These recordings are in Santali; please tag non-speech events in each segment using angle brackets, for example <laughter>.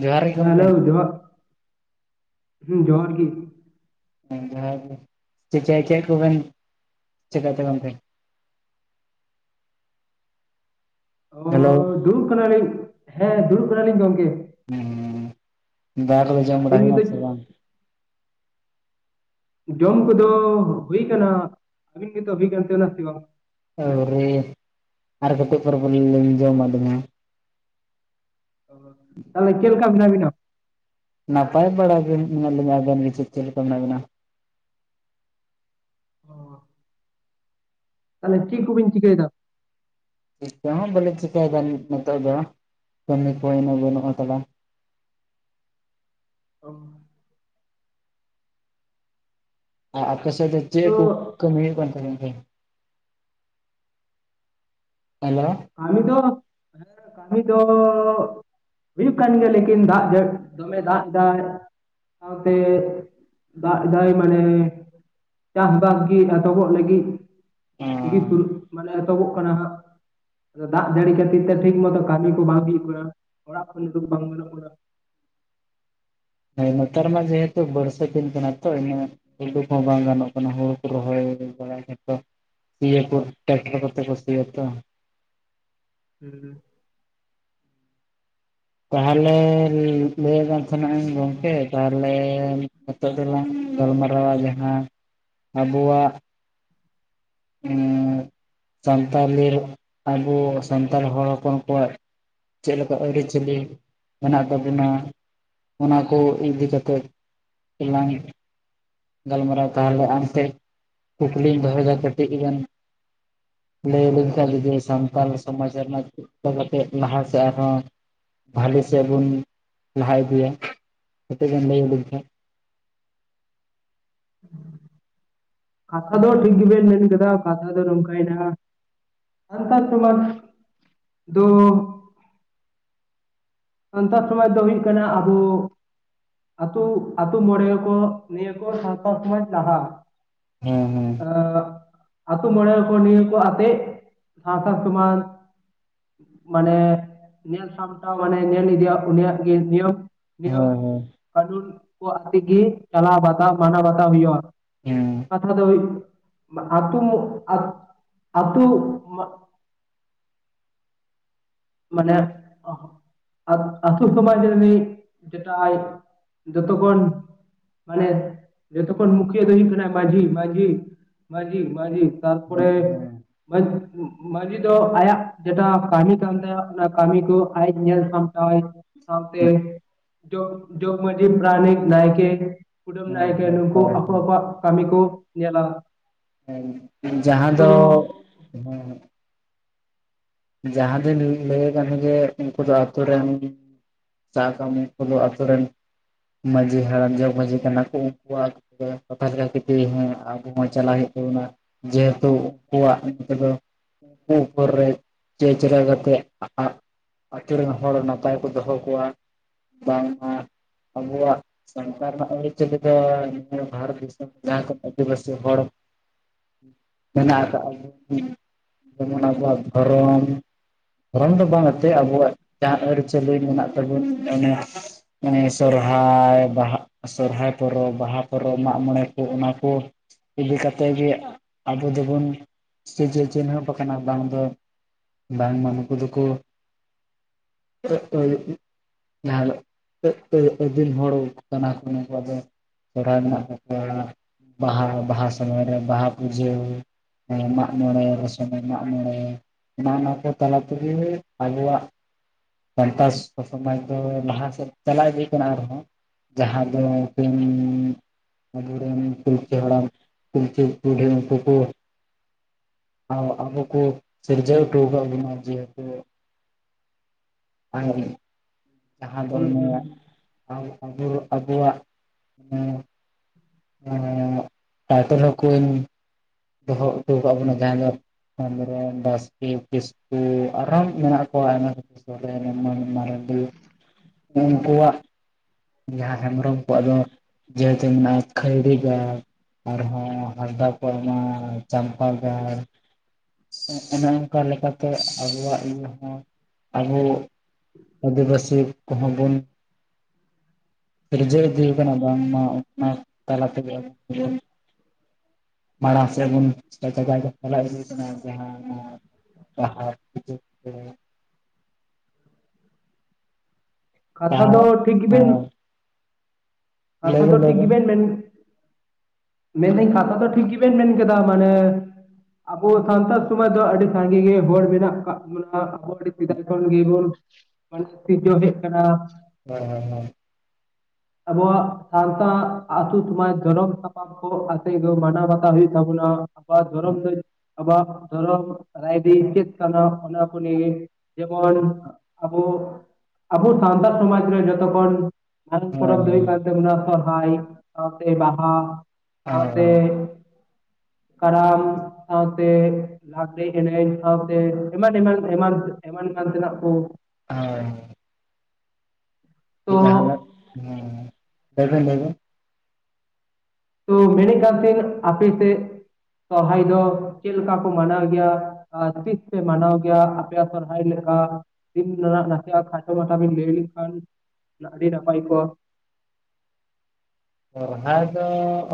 ᱡᱚᱦᱟᱨ ᱜᱮ ᱦᱮᱸ ᱜᱚᱢᱠᱮ ᱦᱮᱞᱳ ᱡᱚᱦᱟᱨ᱾ ᱦᱩᱸ ᱡᱚᱦᱟᱨ ᱜᱤ᱾ ᱦᱮᱸ ᱡᱚᱦᱟᱨ ᱜᱮ, ᱪᱮ ᱪᱮ ᱪᱮᱫ ᱠᱚᱵᱮᱱ ᱪᱤᱠᱟᱹᱭᱮᱫ ᱛᱮ ᱜᱚᱢᱠᱮ? ᱦᱮᱞᱳ ᱦᱳᱭᱻ ᱫᱩᱲᱩᱵ ᱠᱟᱱᱟᱞᱤᱧ ᱦᱮᱸ ᱫᱩᱲᱩᱵ ᱠᱟᱱᱟᱞᱤᱧ ᱜᱚᱢᱠᱮ᱾ ᱚᱻ ᱫᱚᱠᱟ ᱠᱚᱫᱚ ᱡᱚᱢ ᱵᱟᱲᱟ ᱟᱹᱵᱤᱱ ᱦᱩᱭ ᱱᱟ ᱱᱤᱛᱚᱜ ᱥᱮ ᱵᱟᱝ? ᱡᱚᱢ ᱠᱚᱫᱚ ᱦᱩᱭ ᱠᱟᱱᱟ, ᱟᱹᱵᱤᱱ ᱜᱮᱛᱚ ᱦᱩᱭ ᱠᱟᱱ ᱛᱟᱵᱤᱱᱟ ᱥᱮ ᱵᱟᱝ? ᱟ. ᱶᱨᱤ, ᱟᱨ ᱠᱟᱴᱤᱢ ᱯᱚᱨᱮ ᱵᱚᱞᱮ ᱞᱤᱧ ᱡᱚᱢᱟ ᱫᱚ ᱦᱟᱸᱜ᱾ ᱚ, ᱛᱟᱦᱚᱞᱮ ᱪᱮᱫ ᱞᱮᱠᱟ ᱢᱮᱱᱟᱜ ᱵᱤᱱᱟ? ᱱᱟᱯᱟᱭ ᱵᱟᱲᱟ ᱜᱮ ᱢᱮᱱᱟᱜ ᱞᱤᱧᱟ, ᱟᱵᱮᱱ ᱜᱮ ᱪᱮᱫ ᱪᱮᱫ ᱞᱮᱠᱟ ᱢᱮᱱᱟᱜ ᱵᱤᱱᱟ? ᱚ ᱛᱟᱦᱚᱞᱮ ᱪᱮᱫ ᱠᱚᱵᱤᱱ ᱪᱤᱠᱟᱹᱭᱮᱫᱟ? ᱪᱮᱫ ᱠᱚᱦᱚ ᱵᱟᱞᱤᱧ ᱪᱤᱠᱟᱭᱮᱫᱟ ᱱᱤᱛᱚᱜ ᱫᱚ, ᱠᱟᱹᱢᱤ ᱠᱚ ᱩᱱᱟᱹᱜ ᱵᱟᱹᱱᱩᱜ ᱠᱟᱫᱟ᱾ ᱚ ᱟᱨ ᱟᱯᱮ ᱥᱮᱫ ᱫᱚ ᱪᱮᱫ ᱛᱚ ᱠᱚ ᱠᱟᱹᱢᱤ ᱦᱩᱭᱩᱜ ᱠᱟᱱ ᱛᱟᱵᱤᱱ ᱛᱮ? ᱦᱮᱞᱳ᱾ ᱠᱟᱹᱢᱤ ᱫᱚ ᱦᱮᱸᱻ ᱠᱟᱹᱢᱤ ᱫᱚᱻ ᱦᱩᱭᱩᱜ ᱠᱟᱱ ᱜᱮᱭᱟ, ᱞᱮᱠᱤᱱ ᱫᱟᱜ ᱡᱟᱲ ᱫᱚᱢᱮ ᱫᱟᱜ ᱫᱟᱭ᱾ ᱥᱟᱶᱛᱮ ᱫᱟᱜ ᱫᱟᱹᱭ ᱢᱟᱱᱮ ᱪᱟᱥᱼᱵᱟᱥ ᱜᱮ ᱮᱛᱚᱦᱚᱵᱚᱜ ᱞᱟᱹᱜᱤᱫ ᱜᱤ ᱥᱩᱨᱩ ᱢᱟᱱᱮ ᱮᱛᱚᱦᱚᱵᱚᱜ ᱠᱟᱱᱟ ᱦᱟᱸᱜ᱾ ᱟᱫᱚ ᱫᱟᱜ ᱡᱟᱹᱲᱤ ᱠᱷᱟᱹᱛᱤᱨ ᱛᱮ ᱴᱷᱤᱠ ᱢᱚᱛᱚ ᱠᱟᱹᱢᱤ ᱠᱚ ᱵᱟᱝ ᱦᱩᱭᱩᱜ ᱠᱟᱱᱟ, ᱚᱲᱟᱜ ᱠᱷᱚᱱ ᱩᱰᱩᱠ ᱵᱟᱝ ᱜᱟᱹᱱᱚᱜ ᱠᱟᱱᱟ᱾ ᱦᱳᱭ ᱱᱮᱛᱟᱨ ᱢᱟ ᱡᱮᱦᱮᱛᱩ ᱵᱟᱹᱨᱥᱟᱹ ᱫᱤᱱ ᱠᱟᱱᱟ ᱛᱚ ᱤᱱᱟᱹ ᱩᱰᱩᱠ ᱦᱚᱸ ᱵᱟᱝ ᱜᱟᱱᱚᱜ ᱠᱟᱱᱟ ᱦᱩᱲᱩ ᱠᱚ ᱨᱚᱦᱚᱭ ᱵᱟᱲᱟᱭ ᱫᱟᱠᱚ᱾ ᱫᱤᱭᱮ ᱯᱚᱨ ᱴᱟᱠᱴᱟᱨ ᱠᱚᱛᱮ ᱠᱚ ᱥᱤ ᱭᱟᱛᱚ᱾ <inaudible> ᱛᱟᱦᱚᱞᱮ ᱞᱟᱹᱭᱮᱫ ᱛᱟᱸᱦᱮᱱᱟᱧ ᱜᱚᱢᱠᱮ ᱛᱟᱦᱚᱞᱮ ᱱᱤᱛᱚᱜ ᱫᱚᱞᱟᱝ ᱜᱟᱞᱢᱟᱨᱟᱣᱟ ᱡᱟᱸᱦᱟ ᱟᱵᱚᱣᱟᱜ ᱮ ᱥᱟᱱᱛᱟᱞᱤ ᱟᱵᱚ ᱥᱟᱱᱛᱟᱲ ᱦᱚᱲ ᱦᱚᱯᱚᱱ ᱠᱚᱣᱟᱜ ᱪᱮᱫ ᱞᱮᱠᱟ ᱟᱹᱨᱤᱪᱟᱹᱞᱤ ᱢᱮᱱᱟᱜ ᱛᱟᱵᱚᱱᱟ᱾ ᱚᱱᱟ ᱠᱚ ᱤᱫᱤ ᱠᱟᱛᱮᱫ ᱛᱮᱞᱟᱝ ᱜᱟᱞᱢᱟᱨᱟᱣ ᱛᱟᱦᱚᱞᱮ ᱟᱢ ᱴᱷᱮᱡ ᱠᱩᱠᱞᱤᱧ ᱫᱚᱦᱚᱭᱮᱫᱟ ᱠᱟᱹᱴᱤᱡ ᱜᱟᱱ᱾ ᱞᱟᱹᱭ ᱟᱞᱤᱧ ᱠᱷᱟᱡ ᱡᱩᱫᱤ ᱥᱟᱱᱛᱟᱞ ᱥᱚᱢᱟᱡ ᱨᱮᱱᱟᱜ ᱪᱮᱫᱠᱟ ᱠᱟᱛᱮ ᱞᱟᱦᱟ ᱥᱮᱫ ᱟᱨᱦᱚᱸ ᱵᱷᱟᱞᱤ ᱥᱮᱫ ᱵᱚᱱ ᱞᱟᱦᱟ ᱤᱫᱤᱭᱟ, ᱠᱟᱴᱤᱡ ᱵᱮᱱ ᱞᱟᱹᱭ ᱟᱞᱤᱧ ᱠᱷᱟᱡ? ᱠᱟᱛᱷᱟ ᱫᱚ ᱴᱷᱤᱠ ᱜᱮᱵᱮᱱ ᱢᱮᱱ ᱠᱮᱫᱟ ᱠᱟᱛᱷᱟ ᱫᱚ ᱱᱚᱝᱠᱟᱭᱮᱱᱟ ᱥᱟᱱᱛᱟᱲ ᱥᱚᱢᱟᱡᱽ ᱫᱚ ᱥᱟᱱᱛᱟᱲ ᱥᱚᱢᱟᱡᱽ ᱫᱚ ᱦᱩᱭᱩᱜ ᱠᱟᱱᱟ ᱟᱵᱚ ᱟᱹᱛᱩ ᱟᱛᱳ ᱢᱚᱬᱮ ᱠᱚ ᱱᱤᱭᱟᱹ ᱠᱚ ᱥᱟᱸᱣᱛᱟ ᱥᱚᱢᱟᱡᱽ ᱞᱟᱦᱟᱜ ᱦᱮᱸ ᱦᱮᱸ, ᱟ ᱟᱛᱳ ᱢᱚᱬᱮ ᱠᱚ ᱱᱤᱭᱟᱹ ᱠᱚ ᱟᱛᱮᱜ ᱥᱟᱸᱣᱛᱟ ᱥᱚᱢᱟᱡᱽ ᱢᱟᱱᱮ ᱧᱮᱞ ᱥᱟᱢᱴᱟᱣ ᱢᱟᱱᱮ ᱧᱮᱞ ᱤᱫᱤᱭᱟ ᱩᱱᱤᱭᱟᱜ ᱜᱮ ᱱᱤᱭᱚᱢ ᱱᱤᱭᱚᱢ, ᱦᱮᱸ ᱠᱟᱹᱰᱩᱱ ᱠᱚ ᱟᱛᱮ ᱜᱮ ᱪᱟᱞᱟᱣ ᱵᱟᱛᱟᱣ ᱢᱟᱱᱟᱣ ᱵᱟᱛᱟᱣ ᱦᱩᱭᱩᱜᱼᱟ ᱾ ᱦᱮᱸ ᱠᱟᱛᱷᱟ ᱫᱚᱭ ᱟᱹᱛᱩ ᱟᱨ ᱟᱹᱛᱩ ᱾ ᱢᱟᱱᱮ ᱚ ᱟᱹᱛᱩ ᱥᱚᱢᱟᱡ ᱨᱤᱱᱤᱡ ᱡᱮᱴᱟᱭ ᱡᱚᱛᱚ ᱠᱷᱚᱱ ᱢᱟᱱᱮ ᱡᱚᱛᱚ ᱠᱷᱚᱱ ᱢᱩᱠᱷᱤᱭᱟᱹ ᱫᱚ ᱦᱩᱭᱩᱜ ᱠᱟᱱᱟ ᱢᱟᱡᱷᱤ ᱢᱟᱡᱷᱤ ᱢᱟᱡᱷᱤ ᱢᱟᱡᱷᱤ ᱾ ᱛᱟᱨᱯᱚᱨᱮ ᱦᱮᱸ ᱢᱟᱹᱡᱷᱤ ᱫᱚ ᱟᱭᱟᱜ ᱡᱮᱴᱟ ᱠᱟᱹᱦᱤ ᱠᱟᱱ ᱛᱟᱭᱟ ᱚᱱᱟ ᱠᱟᱹᱢᱤ ᱠᱚ ᱟᱡ ᱧᱮᱞ ᱥᱟᱢᱴᱟᱣᱟᱭ ᱾ ᱥᱟᱸᱣᱛᱮ ᱦᱮᱸ ᱡᱚᱜ ᱡᱚᱜᱽ ᱢᱟᱹᱡᱷᱤ ᱯᱨᱟᱱᱤᱠ ᱱᱟᱭᱠᱮ ᱠᱩᱰᱟᱹᱢ ᱦᱳᱭ ᱱᱟᱭᱠᱮ ᱦᱳᱭ ᱱᱩᱠᱩ ᱟᱠᱚ ᱠᱚᱣᱟᱜ ᱠᱟᱹᱢᱤ ᱠᱚ ᱧᱮᱞᱟ ᱾ ᱡᱟᱦᱟᱸ ᱫᱚ ᱦᱸ ᱡᱟᱦᱟᱸ ᱫᱚ ᱞᱟᱹᱭ ᱠᱟᱱ ᱨᱮ ᱜᱮ ᱡᱮ ᱩᱱᱠᱩ ᱫᱚ ᱟᱹᱛᱩ ᱨᱮᱱ ᱪ <unintelligible> ᱩᱱᱠᱩ ᱫᱚ ᱟᱹᱛᱩ ᱨᱮᱱ ᱢᱟᱹᱡᱷᱤ ᱦᱟᱲᱟᱢ ᱡᱚᱜᱽ ᱢᱟᱹᱡᱷᱤ ᱠᱟᱱᱟ ᱠᱚ᱾ ᱩᱱᱠᱩ ᱟᱨ ᱠᱟᱛᱷᱟ ᱞᱮᱠᱟ ᱛᱮᱜᱤ ᱦᱮᱸ ᱟᱵᱚ ᱦᱚᱸ ᱪᱟᱞᱟᱜ ᱦᱩᱭᱩᱜ ᱛᱟᱵᱚᱱᱟ ᱾ ᱡᱮᱦᱮᱛᱩ ᱩᱱᱠᱩᱣᱟᱜ ᱱ <unintelligible> ᱫᱚ ᱩᱱᱠᱩ <unintelligible> ᱩᱯᱚᱨ <unintelligible> ᱨᱮ ᱾ ᱪᱮ ᱪᱮᱨᱟ ᱠᱟᱛᱮᱫ ᱟᱛᱳ ᱨᱮᱱ ᱦᱚᱲ ᱱᱟᱯᱟᱭ ᱠᱚ ᱫᱚᱦᱚ ᱠᱚᱣᱟ ᱾ ᱵᱟᱝᱢᱟ ᱟᱵᱚᱣᱟᱜ ᱾ ᱥᱟᱱᱛᱟᱲ ᱨᱮᱱᱟᱜ ᱟᱹᱨᱤᱪᱟᱹᱞᱤ ᱫᱚ ᱱ <unintelligible> ᱵᱷᱟᱨᱚᱛ ᱫᱤᱥᱚᱢ ᱨᱮ ᱡᱟᱦᱟᱸ ᱠᱚ ᱟᱹᱫᱤᱵᱟᱹᱥᱤ ᱦᱚᱲ ᱢᱮᱱᱟᱜ ᱟᱠᱟᱜᱼᱟ ᱵᱚᱱ ᱡᱮᱢᱚᱱ ᱟᱵᱚᱣᱟᱜ ᱫᱷᱚᱨᱚᱢ, ᱫᱷᱚᱨᱚᱢ ᱫᱚ ᱵᱟᱝ ᱟᱛᱮᱫ ᱟᱵᱚᱣᱟᱜ ᱡᱟᱦᱟᱸ ᱟᱹᱨᱤᱪᱟᱹᱞᱤ ᱢᱮᱱᱟᱜ ᱛᱟᱵᱚᱱ ᱚᱱᱮ ᱢᱟᱱᱮ ᱥᱚᱨᱚᱦᱟᱭ, ᱵᱟᱦᱟ ᱥᱚᱨᱦᱟᱭ ᱯᱚᱨᱚᱵᱽ, ᱵᱟᱦᱟ ᱯᱚᱨᱚᱵᱽ, ᱢᱟᱜ ᱢᱚᱬᱮ ᱠᱚ ᱚᱱᱟ ᱠᱚ ᱤᱫᱤ ᱠᱟᱛᱮᱫ ᱜᱮ ᱟᱵᱚ ᱫᱚᱵᱚᱱ ᱪᱤ ᱪᱤ ᱪᱤᱱᱦᱟᱹᱯ ᱟᱠᱟᱱᱟ ᱵᱟᱝ ᱫᱚ ᱵᱟᱝ-ᱢᱟ ᱱᱩᱠᱩ ᱫᱚᱠᱚ <inaudible> ᱡᱟᱦᱟᱸ ᱫᱚ ᱟᱹᱫᱤᱢ <inaudible> ᱦᱚᱲ ᱠᱟᱱᱟ ᱠᱚ ᱱᱩᱠᱩ ᱫᱚ ᱥᱚᱨᱦᱟᱭ ᱢᱮᱱᱟᱜ ᱛᱟᱠᱚᱣᱟ ᱵᱟᱦᱟ ᱵᱟᱦᱟ ᱥᱚᱢᱚᱭ ᱨᱮ ᱵᱟᱦᱟ ᱯᱩᱡᱟᱹ ᱢᱟᱜ ᱢᱚᱬᱮ ᱨᱚᱥᱚᱱ ᱢᱟᱜ ᱢᱚᱬᱮ ᱱᱚᱜ ᱱᱚᱣᱟ ᱠᱚ ᱛᱟᱞᱟ ᱛᱮᱜᱮ ᱟᱵᱚᱣᱟᱜ ᱥᱟᱱᱛᱟᱥ ᱥᱚᱢᱟᱡᱽ ᱫᱚ ᱞᱟᱦᱟ ᱥᱮᱫ ᱪᱟᱞᱟᱣ ᱤᱫᱤ ᱠᱟᱱᱟ ᱟᱨᱦᱚᱸ ᱾ ᱡᱟᱦᱟᱸ ᱫᱚ ᱠᱤᱱ ᱟᱵᱚ ᱨᱮᱱ ᱯᱩᱞᱪᱤ ᱦᱟᱲᱟᱢ ᱯᱤᱞᱪᱤ ᱵᱩᱰᱦᱤ ᱩᱱᱠᱩ ᱠᱚ ᱟ ᱟᱵᱚ ᱠᱚ ᱥᱤᱨᱡᱟᱹᱣ ᱦᱚᱴᱚ ᱟᱠᱟᱜ ᱵᱚᱱᱟ, ᱡᱮᱦᱮᱛᱩ ᱾ ᱦ <inaudible> ᱡᱟᱦᱟᱸ ᱫᱚ ᱦᱩᱸ ᱚᱱᱮ ᱦᱩᱸ ᱟᱵ ᱟᱵᱚ ᱟᱵᱚᱣᱟᱜ ᱦᱮᱸ ᱮᱸ ᱴᱟᱭᱴᱮᱞ ᱦᱚᱸᱠᱩᱧ ᱫᱚᱦᱚ ᱦᱚᱴᱚ ᱟᱠᱟᱫ ᱵᱚᱱᱟ᱾ ᱡᱟᱦᱟᱸ ᱫᱚ ᱾ ᱦᱮᱢᱵᱨᱚᱢ ᱵᱟᱥᱠᱮ ᱠᱤᱥᱠᱩ ᱟᱨᱦᱚᱸ ᱢᱮᱱᱟᱜ ᱠᱚᱣᱟ ᱟᱭᱢᱟ ᱨᱚᱠᱚᱢ ᱥᱚᱨᱮᱱ <inaudible> ᱢᱟᱨᱰᱤ <inaudible> ᱾ ᱡᱟᱦᱟᱸ ᱦᱮᱢᱵᱨᱚᱢ ᱠᱚᱣᱟᱜ ᱫᱚ ᱡᱮᱦᱮᱛᱤ <inaudible> ᱢᱮᱱᱟᱜᱼᱟ ᱠᱷᱟᱭᱨᱤ ᱜᱟᱲ ᱟᱨᱦᱚᱸ ᱦᱟᱸᱥᱫᱟ ᱠᱚᱣᱟᱜ ᱚᱻ ᱪᱚᱢᱯᱟ ᱜᱟᱲ᱾ ᱚᱱᱮ ᱚᱱᱠᱟ ᱞᱮᱠᱟ ᱛᱮ ᱟᱵᱚᱣᱟᱜ ᱤᱭᱟᱹ ᱦᱚᱸ ᱟᱵᱚ ᱟᱹᱫᱤᱵᱟᱹᱥᱤ ᱠᱚᱦᱚᱸ ᱵᱚᱱ᱾ ᱡᱟᱹ <unintelligible> ᱠᱟᱱᱟ ᱵᱟᱝᱢᱟ ᱚᱱᱟ ᱛᱟᱞᱟ ᱛᱮᱜᱮ᱾ ᱢᱟᱲᱟᱝ ᱥᱮᱫ ᱵᱚᱱ ᱡᱟᱭᱜᱟ <unintelligible> ᱪᱟᱞᱟᱣ ᱤᱫᱤ ᱠᱟᱱᱟ ᱡᱟᱦᱟᱸ ᱚᱱᱟ ᱯᱟᱲᱦᱟᱹᱣ᱾ ᱦᱮᱸ᱾ ᱠᱟᱛᱷᱟ ᱫᱚ ᱰᱟᱦᱟᱨ ᱴᱷᱤᱠ ᱜᱮᱵᱤᱱ ᱠᱟᱛᱷᱟ ᱫᱚ ᱞᱟᱹᱭᱵᱮᱱ ᱴᱷᱤᱠ ᱞᱟᱹᱭᱵᱮᱱ ᱜᱮᱵᱮᱱ ᱢᱮᱱ ᱢᱮᱱᱫᱟᱹᱧ ᱠᱷᱟᱛᱟ ᱫᱚ ᱴᱷᱤᱠ ᱜᱮᱵᱮᱱ ᱢᱮᱱ ᱠᱮᱫᱟ ᱢᱟᱱᱮ᱾ ᱟᱵᱚ ᱥᱟᱱᱛᱟᱲ ᱥᱚᱢᱟᱡᱽ ᱫᱚ ᱟᱹᱰᱤ ᱥᱟᱸᱜᱮ ᱜᱮ ᱦᱚᱲ ᱢᱮᱱᱟᱜ ᱠᱟᱜ ᱵᱚᱱᱟ ᱾ ᱟᱵᱚ ᱟᱹᱰᱤ ᱥᱮᱫᱟᱭ ᱠᱷᱚᱱ ᱜᱮᱵᱚᱱᱚ <unintelligible> ᱦᱮᱡ ᱠᱟᱱᱟ᱾ ᱦᱮᱸ ᱦᱮᱸ ᱦᱮᱸ ᱾ ᱟᱵᱚᱣᱟᱜ ᱥᱟᱶᱛᱟ ᱟᱹᱛᱩ ᱥᱚᱢᱟᱡᱽ ᱡᱚᱱᱚᱢ ᱥᱟᱯᱟᱢ ᱠᱚ ᱠᱟᱛᱮᱫ ᱜᱮ ᱢᱟᱱᱟᱣ ᱵᱟᱛᱟᱣ ᱦᱩᱭᱩᱜ ᱛᱟᱵᱚᱱᱟ ᱾ ᱟᱵᱚᱣᱟᱜ ᱫᱷᱚᱨᱚᱢ ᱫᱚ ᱟᱵᱚᱣᱟᱜ ᱫᱷᱚᱨᱚᱢ ᱟᱭᱫᱤ ᱪᱮᱫ ᱠᱟᱱᱟ ᱚᱱᱟ ᱠᱚ ᱱᱤᱭᱮ᱾ ᱡᱮᱢᱚᱱ ᱟᱵᱩ᱾ ᱟᱵᱚ ᱥᱟᱱᱛᱟᱲ ᱥᱚᱢᱟᱡᱽ ᱨᱮ ᱡᱚᱛᱚᱠᱷᱚᱱ ᱢᱟᱨᱟᱝ ᱯᱚᱨᱚᱵ ᱫᱚ ᱦᱩᱭᱩᱜ ᱠᱟᱱ ᱛᱟᱵᱚᱱᱟ ᱥᱚᱨ ᱦᱟᱭ ᱥᱟᱶᱛᱮ ᱵᱟᱦᱟ ᱥᱟᱶᱛᱮ ᱠᱟᱨᱟᱢ ᱥᱟᱶᱛᱮ ᱞᱟᱜᱽᱲᱮ ᱮᱱᱮᱡ ᱥᱟᱶᱛᱮ ᱮᱢᱟᱱ ᱮᱢᱟᱱ ᱮᱢᱟᱱ ᱮᱢᱟᱱ ᱮᱢᱟᱱ ᱛᱮᱱᱟᱜ ᱠᱩ᱾ ᱟᱭ ᱛᱚ ᱡᱟᱦᱟᱸᱫᱚ, ᱦᱮᱸ ᱞᱟᱹᱭ ᱵᱤᱱ ᱞᱟᱹᱭ ᱵᱤᱱ᱾ ᱛᱚ ᱢᱮᱱᱮᱫ ᱠᱟᱱ ᱛᱟᱦᱮᱱ ᱟᱯᱮ ᱥᱮᱫ ᱥᱚᱨᱦᱟᱭ ᱫᱚ ᱪᱮᱫ ᱞᱮᱠᱟ ᱠᱚ ᱢᱟᱱᱟᱣ ᱜᱮᱭᱟ? ᱛᱤᱥ ᱯᱮ ᱢᱟᱱᱟᱣ ᱜᱮᱭᱟ ᱟᱯᱮᱭᱟᱜ ᱥᱚᱨᱦᱟᱭ ᱞᱮᱠᱟ? ᱫᱤᱱ ᱨᱮᱱᱟᱜ ᱱᱟᱥᱮᱭᱟᱜ ᱠᱷᱟᱴᱚ ᱢᱟᱴᱟ ᱵᱤᱱ ᱞᱟᱹᱭ ᱞᱮᱱᱠᱷᱟᱱ ᱟᱹᱰᱤ ᱱᱟᱯᱟᱭ ᱠᱚᱜᱼᱟ ᱾ ᱥᱚᱨᱦᱟᱭ ᱫᱚ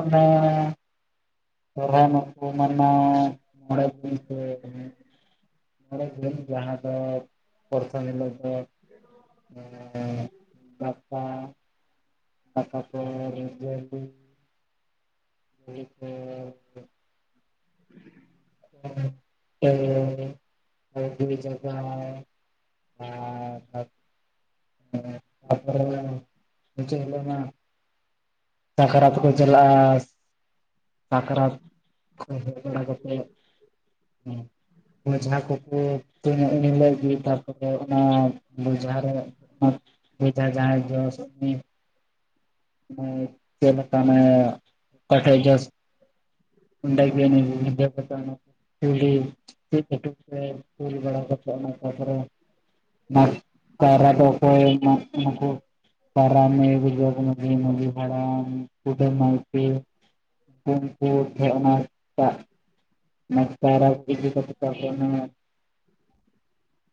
ᱚᱱᱟ ᱥᱚᱨᱦᱟᱭ ᱢᱟᱠᱚ ᱢᱟᱱᱟᱭ ᱢᱚᱬᱮ ᱫᱤᱱ᱾ ᱯᱚᱨᱮ ᱫᱤᱱ ᱡᱟᱦᱟᱸ ᱫᱚ ᱯᱚᱨᱛᱷᱟᱢ ᱦᱤᱞᱚᱜ ᱫᱚ ᱮ ᱜᱟᱯᱟ᱾ ᱫᱟᱠᱟ ᱯᱚᱨ ᱮᱭᱟ. ᱫᱤᱱ᱾ ᱦ <unintelligible> ᱡ <unintelligible> ᱟᱨ ᱛᱟᱨᱯᱚᱨᱮ ᱢᱩᱪᱟᱫ ᱡᱤᱞᱤᱜ ᱢᱟ ᱥᱟᱠᱨᱟᱛ ᱠᱚ ᱪᱟᱞᱟᱜᱼᱟ ᱾ ᱥᱟᱠᱨᱟᱛ ᱦᱩᱭ ᱵᱟᱲᱟ ᱠᱟᱛᱮ ᱦᱮᱸ᱾ ᱡᱟᱦᱟᱸ ᱠᱩ ᱠᱩ᱾ ᱮᱱᱦᱤᱞᱚᱜ ᱜᱤ ᱛᱟᱯᱚᱨᱮ ᱚᱱᱟ ᱵᱩᱡᱷᱟ ᱨᱮ ᱵᱤᱡᱷᱟ ᱡᱟᱦᱟᱸ ᱡᱚᱥ ᱪᱮᱞᱠᱟ ᱢᱮ ᱚᱠᱟᱴᱷᱮ ᱡᱚᱥ ᱩᱟᱜ ᱵᱮᱱᱟ ᱵᱤᱫᱵᱷᱟᱥ <unintelligible> ᱪ ᱪ ᱠᱷᱪ <unintelligible> ᱢᱟᱜ ᱠᱟᱭᱨᱟ ᱫᱚ ᱚᱠᱚᱭ ᱢᱟᱜ ᱠᱟᱱᱟ ᱠᱚ ᱠᱟᱨᱟᱢ ᱮ ᱵᱩᱡᱷᱚᱣ ᱵᱚᱱᱟᱭ ᱩᱱᱤ ᱢᱟᱹᱡᱷᱤ ᱦᱟᱲᱟᱢ ᱠᱩᱰᱟᱹᱢ ᱱᱟᱭᱠᱮ᱾ ᱩᱱᱠᱩ ᱴᱷᱮᱜ ᱚᱱᱟ ᱴᱟᱜ᱾ ᱢ ᱛᱟᱨ <unintelligible>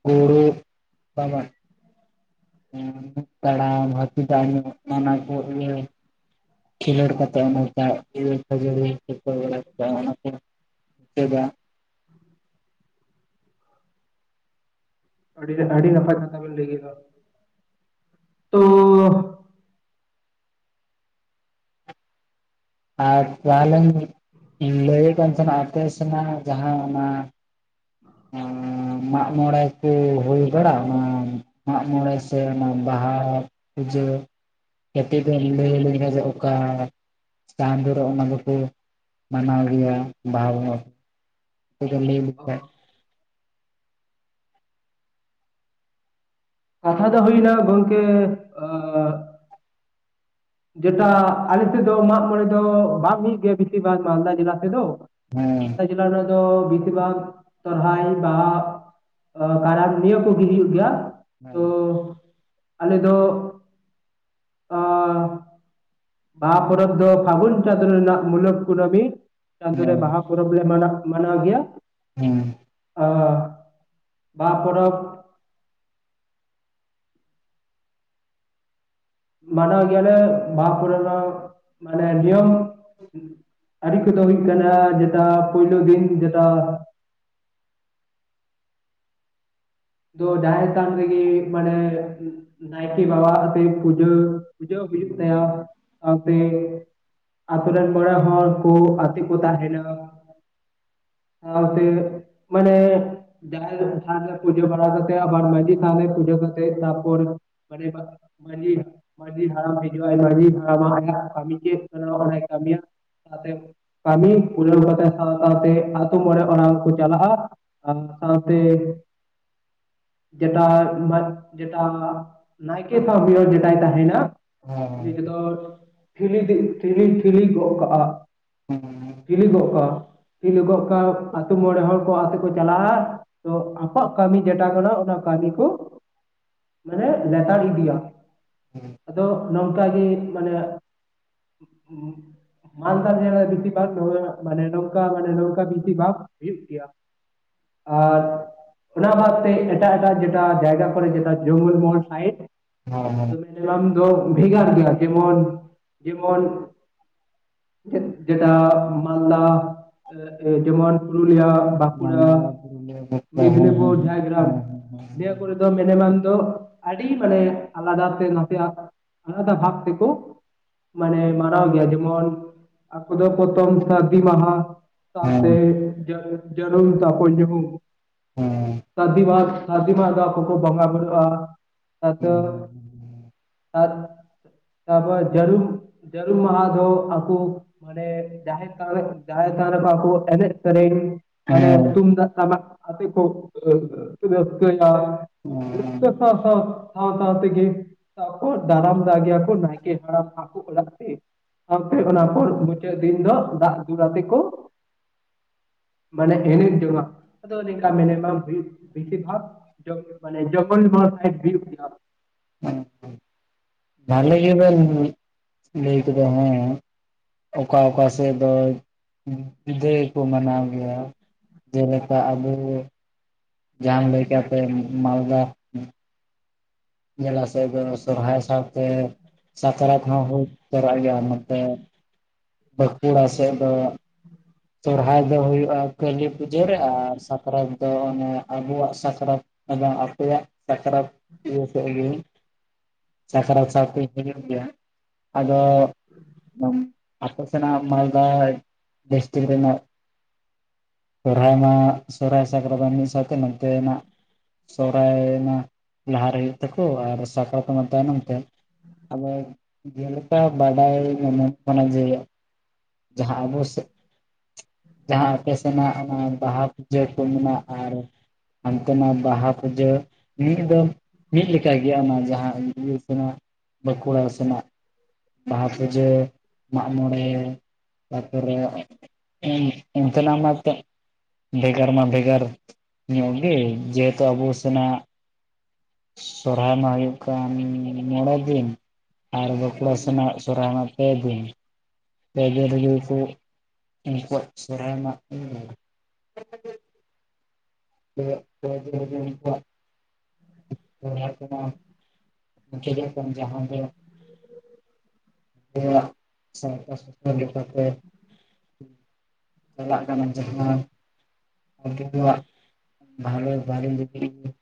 ᱜᱩᱲᱩ ᱛᱟᱢᱟ᱾ ᱦᱩᱸ ᱛᱟᱲᱟᱢ ᱦᱟᱛᱤᱞ ᱛᱮ ᱟᱸᱡᱚᱢᱚᱜ ᱠᱟᱱᱟ ᱠᱚ ᱤᱭᱟᱹ ᱠᱷᱮᱞᱳᱰ ᱠᱟᱛᱮᱜ ᱚᱱᱟ ᱛᱟᱲ ᱤᱭᱟᱹ ᱠᱷᱟᱹᱡᱟᱹᱲᱤ ᱠᱚᱠᱚ ᱞᱟᱫᱮᱹ ᱠᱟᱜ-ᱟ ᱚᱱᱟᱛᱮ᱾ ᱪᱮᱫᱟᱜ? <inaudible> ᱟᱰᱤᱜᱮ ᱟᱰᱤ ᱱᱟᱯᱟᱭ ᱠᱟᱛᱷᱟ ᱵᱮᱱ ᱞᱟᱹᱭ ᱠᱮᱫᱟ᱾ ᱛᱳᱻ ᱟᱨ ᱛᱟᱦᱚᱞᱮᱧ ᱞᱟᱹᱭᱮ ᱠᱟᱱ ᱛᱟᱦᱮᱟ ᱟᱯᱮ ᱥᱮᱱᱟᱜ ᱡᱟᱦᱟᱸ ᱚᱱᱟ ᱚᱸᱻ ᱢᱟᱜ ᱢᱚᱬᱮ ᱠᱩ ᱦᱳᱭ ᱵᱟᱲᱟᱜ? ᱚᱱᱟ ᱢᱟᱜ ᱢᱚᱲᱮ ᱥᱮ ᱚᱱᱟ ᱵᱟᱦᱟᱼᱼ ᱯᱩᱡᱟᱹ ᱠᱟᱛᱤᱡ ᱵᱮᱱ ᱞᱟᱹᱭ ᱟᱞᱤᱧ ᱷᱟ-ᱡ ᱚᱠᱟᱻ ᱪᱟᱸᱫᱚ ᱨᱮ ᱚᱱᱟ ᱫᱚᱠᱚ ᱢᱟᱱᱟᱣ ᱜᱮᱭᱟ ᱵᱟᱦᱟ ᱵᱚᱸᱜᱟ᱾ ᱥᱤᱫᱷᱩ ᱞᱟᱹᱭ ᱞᱮᱠᱷᱟ-ᱡ ᱠᱟᱛᱷᱟ ᱫᱚ ᱦᱩᱭᱱᱟ ᱜᱚᱝᱠᱮᱻ ᱡᱮᱴᱟ ᱟᱞᱮ ᱥᱮᱫ ᱫᱚ ᱢᱟᱜᱢᱚᱨᱮ ᱫᱚ ᱵᱟᱝ ᱦᱩᱭᱩᱜ ᱜᱮᱭᱟ ᱵᱮᱥᱤᱨ ᱵᱷᱟᱜ ᱢᱟᱞᱫᱟ ᱡᱮᱞᱟ ᱥᱮᱫ ᱫᱚ। ᱦᱮᱸ ᱢᱟᱞᱫᱟ ᱡᱮᱞᱟ ᱨᱮᱱᱟᱜ ᱫᱚᱻ ᱵᱮᱥᱤᱨ ᱵᱷᱟᱜᱽ ᱥᱚᱨᱦᱟᱭ ᱵᱟᱻ ᱟ ᱠᱟᱨᱟᱢ ᱱᱤᱭᱟᱹ ᱠᱚ ᱜᱤ ᱦᱩᱭᱩᱜ ᱜᱮᱭᱟ। ᱛᱚᱻ ᱦᱮᱸ ᱟᱞᱮ ᱫᱚ-ᱜ ᱟᱻ ᱵᱟᱦᱟ ᱯᱚᱨᱚᱵᱽ ᱫᱚ ᱯᱷᱟᱹᱜᱩᱱ ᱪᱟᱸᱫᱳ ᱨᱮᱱᱟᱜ ᱢᱩᱞᱚᱠ ᱠᱩᱱᱟᱹᱢᱤ, ᱪᱟᱸᱫᱳ ᱨᱮ ᱦᱮᱸ ᱵᱟᱦᱟ ᱯᱚᱨᱚᱵᱽᱞᱮ ᱢᱟᱱᱟᱜ ᱢᱟᱱᱟᱣ ᱜᱮᱭᱟ। ᱦᱩᱸ। ᱟᱻ ᱵᱟᱦᱟ ᱯᱚᱨᱚᱵ ᱢᱟᱱᱟᱣ ᱜᱮᱭᱟᱞᱮ, ᱵᱟᱦᱟ ᱠᱚᱨᱮ ᱢᱟᱱᱮ ᱱᱤᱭᱚᱢ ᱟᱨᱤ ᱠᱚᱫᱚ ᱦᱩᱭᱩᱜ ᱠᱟᱱᱟ, ᱡᱮᱴᱟ ᱯᱳᱭᱞᱳ ᱫᱤᱱ ᱡᱮᱴᱟ ᱛᱳ ᱡᱟᱦᱮᱨ ᱛᱷᱟᱱ ᱨᱮᱹᱜᱮᱹ ᱢᱟᱱᱮ ᱱᱟᱭᱠᱮᱹ ᱵᱟᱵᱟ ᱦᱛᱮᱫ ᱯᱩᱡᱟᱹ ᱯᱩᱡᱟᱹ ᱦᱩᱭᱩᱜ ᱛᱟᱭᱟ। ᱥᱟᱶᱛᱮ ᱟᱛᱳ ᱨᱮᱱ ᱢᱚᱬᱮ ᱦᱚᱲ ᱠᱚ ᱟᱛᱮ ᱠᱚ ᱛᱟᱦᱮᱱᱟ᱾ ᱥᱟᱹᱣᱛᱮ ᱢᱟᱱᱮᱻ ᱡᱟᱦᱮᱨ ᱨᱮ ᱛᱷᱟᱱ ᱨᱮ ᱯᱩᱡᱟᱹ ᱵᱟᱲᱟ ᱠᱟᱛᱮ ᱟᱵᱟᱨ ᱢᱟᱺᱡᱷᱤ ᱛᱷᱟᱱ ᱨᱮ ᱯᱩᱡᱟᱹ ᱠᱟᱛᱮ ᱛᱟᱯᱚᱨᱮ ᱢᱟᱱᱮ ᱢᱟᱡᱷᱤ ᱢᱟᱡᱷᱤ ᱦᱟᱲᱟᱢ ᱦᱤᱡᱩᱜ-ᱟᱭ ᱢᱟᱡᱷᱤ ᱦᱟᱲᱟᱢ ᱟᱭᱟᱜ ᱠᱟᱢᱤ ᱠᱮᱜ ᱥᱟᱨᱟᱣ ᱵᱟᱲᱟᱭ ᱠᱟᱢᱤᱭᱟ। ᱠᱟᱛᱮᱫ ᱠᱟᱹᱢᱤ ᱯᱩᱨᱟᱹᱣ ᱠᱟᱛᱮ ᱥᱟᱶ ᱥᱟᱶᱛᱮ ᱟᱛᱳ ᱢᱚᱬᱮ ᱚᱲᱟ ᱠᱚ ᱪᱟᱞᱟᱜ-ᱟ। ᱟᱨ ᱥᱟᱶᱛᱮ ᱡᱮᱴᱟ ᱡᱮᱴᱟ ᱱᱟᱭᱠᱮ ᱥᱟᱣ ᱢᱤᱫ ᱦᱚᱲ ᱡᱮᱴᱟᱭ ᱛᱟᱦᱮᱱᱟ ᱩᱱᱤ ᱜᱮᱫᱚ ᱴᱷᱤᱞᱤ ᱴᱷᱤᱞᱤ ᱴᱷᱤᱞᱤ ᱜᱚᱜ ᱠᱟᱜᱼᱟ। ᱴᱷᱤᱞᱤ ᱜᱚᱜ ᱠᱟᱜ -ᱟ। ᱴᱷᱤᱞᱤ ᱜᱚᱜ ᱠᱟᱜ-ᱟ ᱟᱛᱳ ᱢᱚᱬᱮ ᱦᱚᱲ ᱠᱚ ᱟᱛᱮ ᱠᱚ ᱪᱟᱞᱟᱜ-ᱟ, ᱛᱚ ᱠᱚᱣᱟᱜ ᱠᱟᱹᱢᱤ ᱡᱮᱴᱟ ᱠᱟᱱᱟ ᱚᱱᱟ ᱠᱟᱹᱢᱤ ᱠᱚ ᱢᱟᱱᱮ ᱞᱮᱛᱟᱲ ᱤᱫᱤᱭᱟ। ᱦᱩᱸ। ᱟᱫᱚ ᱱᱚᱝᱠᱟ ᱜᱮ ᱢᱟᱱᱮ ᱩᱸᱼᱼ ᱢᱟᱞᱫᱟ ᱡᱮᱞᱟ ᱨᱮ ᱵᱮᱥᱤᱨ ᱵᱷᱟᱜᱽ ᱱᱚᱣᱟ ᱢᱟᱱᱮ ᱱᱚᱝᱠᱟ ᱢᱟᱱᱮ ᱱᱚᱝᱠᱟ ᱵᱮᱥᱤᱨ ᱵᱷᱟᱜᱽ ᱦᱩᱭᱩᱜ ᱜᱮᱭᱟ। ᱟᱨᱻ ᱚᱱᱟ ᱵᱟᱫᱽ ᱛᱮ ᱮᱴᱟᱜ ᱮᱴᱟᱜ ᱡᱮᱴᱟ ᱡᱟᱭᱜᱟ ᱠᱚᱨᱮ ᱡᱮᱴᱟ ᱡᱚᱝᱜᱚᱞ ᱢᱚᱦᱚᱞ ᱥᱟᱭᱤᱰ ᱦᱮᱸ ᱦᱮᱸ। ᱯᱨᱚᱜᱨᱟᱢ ᱫᱚ ᱵᱷᱮᱜᱟᱨ ᱜᱮᱭᱟ ᱡᱮᱢᱚᱱ, ᱡᱮᱢᱚᱱ ᱡᱮᱴ ᱡᱮᱴᱟᱻ ᱢᱟᱞᱫᱟ, ᱡᱮᱢᱚᱱ ᱯᱩᱨᱩᱞᱤᱭᱟ, ᱵᱟᱸᱠᱩᱲᱟ, ᱢᱟᱞᱫᱟ ᱯᱩᱨᱩᱞᱤᱭᱟᱹ ᱵᱟᱸᱠᱩᱲᱟ ᱦᱮᱸ ᱢᱮᱫᱽᱱᱤᱯᱼᱼ ᱦᱮᱸ ᱦᱮᱸ ᱯᱩᱨ ᱡᱷᱟᱨᱜᱨᱟᱢ ᱱᱤᱭᱟᱹ ᱠᱚᱨᱮ ᱫᱚ ᱢᱮᱱᱮᱢᱟᱢ ᱫᱚ ᱟᱹᱰᱤ ᱢᱟᱱᱮ ᱟᱞᱟᱫᱟᱛᱮ ᱱᱟᱥᱮᱭᱟᱜ ᱟᱞᱟᱫᱟ ᱵᱷᱟᱵ ᱛᱮᱠᱚ ᱢᱟᱱᱮ ᱢᱟᱱᱟᱣ ᱜᱮᱭᱟ ᱡᱮᱢᱚᱱ ᱟᱠᱚ ᱫᱚ ᱯᱚᱛᱚᱢ ᱥᱟᱨᱫᱤ ᱢᱟᱦᱟ ᱦᱮᱸ ᱥᱟᱸᱣᱛᱮ ᱡᱟ ᱡᱚᱨᱩᱢ ᱛᱟ ᱯᱚᱨ ᱧᱩᱦᱩᱢ ᱦᱩᱸ ᱾ ᱥᱟᱹᱨᱫᱤ ᱢᱟᱦᱟ ᱥᱟᱹᱨᱫᱤ ᱢᱟᱦᱟ ᱫᱚ ᱟᱠᱚ ᱠᱚ ᱵᱚᱸᱜᱟ ᱵᱩᱨᱩᱜᱼᱟ, ᱦᱮᱸ ᱦᱮᱸ ᱟᱨᱫᱚ ᱛᱟᱨ ᱛᱟ ᱯᱚᱨ ᱡᱟᱨᱩᱢ ᱡᱟᱹᱨᱩᱢ ᱢᱟᱦᱟ ᱫᱚ ᱟᱠᱚ ᱢᱟᱱᱮ ᱡᱟᱦᱮᱨ ᱛᱷᱟᱱ ᱨᱮ ᱡᱟᱦᱮᱨ ᱛᱷᱟᱱ ᱨᱮ ᱵᱟᱠᱲ ᱮᱱᱮᱡ ᱥᱮᱨᱮᱧ ᱢᱟᱱᱮ ᱦᱮᱸ ᱛᱩᱢᱫᱟᱜ ᱴᱟᱢᱟᱠ ᱠᱳ ᱨᱟᱹᱥᱠᱟᱭᱟ ᱾ ᱩᱸ ᱾ ᱥᱟᱶ ᱥᱟᱶ, ᱥᱟᱶ ᱥᱟᱶ ᱛᱮᱜᱮ ᱛᱟᱯᱚᱨ ᱫᱟᱨᱟᱢ ᱫᱟᱜᱮᱭᱟᱠᱚ ᱱᱟᱭᱠᱮ ᱦᱟᱲᱟᱢ ᱟᱠᱚ ᱚᱲᱟᱜ ᱛᱮ ᱾ ᱥᱟᱶᱛᱮ ᱚᱱᱟ ᱯᱚᱨ ᱢᱩᱪᱟᱹᱫ ᱫᱤᱱ ᱫᱚ ᱫᱟᱜ ᱫᱩᱞ ᱟᱛᱮ ᱠᱚ ᱢᱟᱱᱮ ᱮᱱᱮᱡ ᱧᱚᱝᱟ-ᱟ, ᱟᱫᱚ ᱱᱤᱝᱠᱟ ᱢᱤᱱᱤᱢᱟᱢ ᱦᱩᱭᱩᱜ ᱵᱮᱥᱤᱨ ᱵᱷᱟᱜ <unintelligible> ᱢᱟᱱᱮ ᱢᱚᱝᱜᱚᱞ ᱢᱚᱦᱚᱞ ᱥᱟᱭᱤᱰ ᱦᱩᱭᱩᱜ ᱜᱮᱭᱟ ᱾ ᱦᱩᱸ ᱦᱩᱸ ᱵᱷᱟᱞᱤ ᱜᱮᱵᱮᱱ ᱞᱟᱹᱭ ᱠᱮᱫᱟ ᱦᱮᱸ ᱚᱠᱟ ᱚᱠᱟ ᱥᱮᱫ ᱫᱚ ᱯᱩᱡᱟᱹ ᱜᱮᱠᱚ ᱢᱟᱱᱟᱣ ᱜᱮᱭᱟ ᱾ ᱡᱮᱞᱮᱠᱟ ᱟᱵᱚ ᱡᱟᱦᱟᱢ ᱞᱟᱹᱭ ᱠᱮᱜ-ᱟ ᱟᱯᱮ ᱢᱟᱞᱫᱟ ᱡᱮᱞᱟ ᱥᱮᱫ ᱥᱚᱨᱦᱟᱭ ᱥᱟᱶ ᱛᱮ ᱥᱟᱠᱨᱟᱛ ᱦᱚᱸ ᱦᱩᱭ ᱛᱚᱨᱟᱜ ᱜᱮᱭᱟ ᱱᱚᱛᱮ ᱵᱟᱸᱠᱩᱲᱟ ᱥᱮᱫ ᱫᱚ ᱥᱚᱨᱦᱟᱭ ᱫᱚ ᱦᱩᱭᱩᱜᱼᱟ ᱠᱟᱹᱞᱤ ᱯᱩᱡᱟᱹ ᱨᱮ, ᱟᱨ ᱥᱟᱠᱨᱟᱛ ᱫᱚ ᱚᱱᱮ ᱟᱵᱚᱣᱟᱜ ᱥᱟᱠᱨᱟᱛ ᱟᱫᱚ ᱟᱯᱮᱭᱟᱜ ᱥᱟᱠᱨᱟᱛ ᱤᱭᱟᱹ ᱥᱮᱫᱜᱮ ᱥᱟᱠᱨᱟᱛ ᱥᱟᱶᱛᱮ ᱦᱩᱭᱩᱜ ᱜᱮᱭᱟ ᱟᱫᱚ ᱟᱯᱮ ᱥᱮᱱᱟᱜ ᱢᱟᱞᱫᱟ ᱰᱤᱥᱴᱤᱴ ᱨᱮᱱᱟᱜ ᱥᱚᱨᱦᱟᱭ ᱢᱟ ᱥᱚᱨᱦᱟᱭ ᱥᱟᱠᱨᱟᱛ ᱢᱟ ᱢᱤᱫ ᱥᱟᱶᱛᱮ ᱱᱚᱛᱮ ᱱᱟᱜ ᱥᱚᱨᱦᱟᱭ ᱢᱟ ᱞᱟᱦᱟ ᱨᱮ ᱦᱩᱭᱩᱜ ᱛᱟᱠᱚ ᱟᱨ ᱥᱟᱠᱨᱟᱛ ᱢᱟ ᱛᱟᱭᱱᱚᱢ ᱛᱮ ᱾ ᱟᱫᱚ ᱡᱮᱞᱮᱠᱟ ᱵᱟᱰᱟᱭ ᱧᱟᱢᱚᱜ ᱠᱟᱱᱟ ᱡᱮ ᱡᱟᱦᱟᱸ ᱟᱵᱚ ᱥᱮᱡ ᱡᱟᱦᱟᱸ ᱟᱯᱮ ᱥᱮᱱᱟᱜ ᱚᱱᱟ ᱵᱟᱦᱟ ᱯᱩᱡᱟᱹ ᱠᱚ ᱢᱮᱱᱟ ᱟᱨ ᱦᱟᱱᱛᱮ ᱱᱟᱜ ᱵᱟᱦᱟ ᱯᱩᱡᱟᱹ ᱱᱤᱭᱟᱹ ᱫᱚ ᱢᱤᱫ ᱞᱮᱠᱟ ᱜᱮᱭᱟ ᱚᱱᱟ ᱡᱟᱦᱟᱸ ᱤᱭᱟᱹ ᱥᱮᱱᱟᱜ ᱵᱟᱸᱠᱩᱲᱟ ᱥᱮᱱᱟᱜ ᱾ ᱵᱟᱦᱟ ᱯᱩᱡᱟᱹ, ᱢᱟᱜ ᱢᱚᱬᱮ ᱛᱟᱨᱯᱚᱨᱮ ᱚᱱᱛᱮ ᱱᱟᱜ ᱢᱟᱛᱚ ᱵᱷᱮᱜᱟᱨ ᱢᱟ ᱵᱷᱮᱜᱟᱨ ᱧᱚᱜ ᱜᱮ, ᱡᱮᱦᱮᱛᱩ ᱟᱵᱚ ᱥᱮᱱᱟᱜ ᱥᱚᱨᱦᱟᱭ ᱢᱟ ᱦᱩᱭᱩᱜ ᱠᱟᱱ ᱢᱚᱬᱮ ᱫᱤᱱ, ᱟᱨ ᱵᱟᱠᱩᱲᱟ ᱥᱮᱱᱟᱜ ᱥᱚᱨᱦᱟᱭ ᱢᱟ ᱯᱮ ᱫᱤᱱ ᱾ ᱯᱮ ᱫᱤᱱ ᱨᱮᱜᱮ ᱠᱚ ᱩᱱᱠᱩᱣᱟᱜ ᱥᱚᱨᱦᱟᱭ ᱢᱟ <unintelligible> <unintelligible> <unintelligible> <unintelligible> ᱡᱟᱦᱟᱸ ᱫᱚ ᱥᱮ <unintelligible> <unintelligible> ᱞᱮᱠᱟᱛᱮ ᱪᱟᱞᱟᱜ ᱠᱟᱱᱟ ᱡᱟᱦᱟᱸ ᱣᱟᱜ <unintelligible>